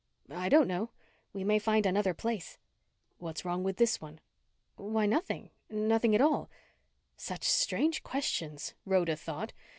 "I don't know. We may find another place." "What's wrong with this one?" "Why, nothing nothing at all " Such strange questions, Rhoda thought.